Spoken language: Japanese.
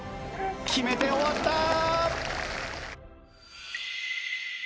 決めて終わった！